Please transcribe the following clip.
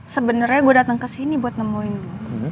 sebenarnya gue datang ke sini buat nemuin